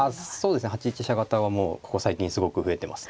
８一飛車型はもうここ最近すごく増えてます。